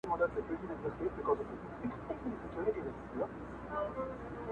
• ځمه و لو صحراته.